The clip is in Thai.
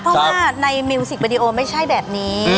เพราะว่าในมิวสิกวิดีโอไม่ใช่แบบนี้